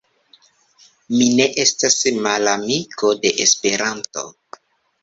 Mi ne estas malamiko de Esperanto.